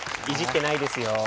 いじってないですよ。